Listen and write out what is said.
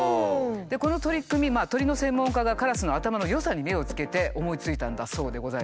でこの取り組み鳥の専門家がカラスの頭の良さに目をつけて思いついたんだそうでございます。